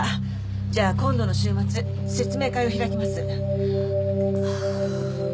じゃあ今度の週末説明会を開きます。